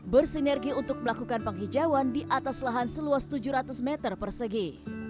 bersinergi untuk melakukan penghijauan di atas lahan seluas tujuh ratus meter persegi